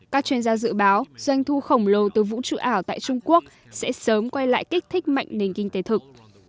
các chuyên gia dự báo doanh thu khổng lồ từ vũ trụ ảo tại trung quốc sẽ sớm quay lại kích thích mạnh nền kinh tế thực